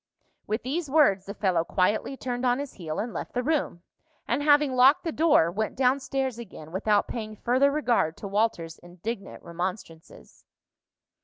With these words the fellow quietly turned on his heel and left the room, and having locked the door, went down stairs again without paying further regard to Walter's indignant remonstrances.